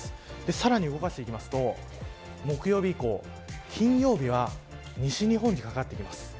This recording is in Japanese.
さらに動かしていくと木曜日以降金曜日は西日本に掛かってきます。